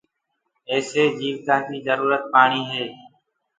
ايسي ئيٚ جيوتآنٚ ڪيٚ جروٚرت پآڻيٚ هي